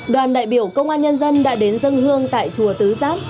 đoàn đại biểu công an nhân dân đã đến dân hương tại chùa tứ giác